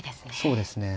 そうですね。